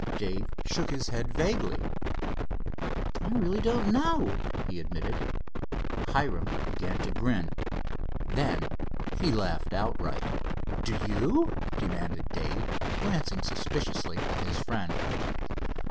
Dave shook his head vaguely. "I really don't know," he admitted. Hiram began to grin. Then he laughed outright. "Do you?" demanded Dave, glancing suspiciously at his friend.